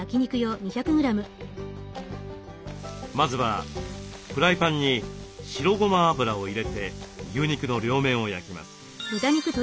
まずはフライパンに白ごま油を入れて牛肉の両面を焼きます。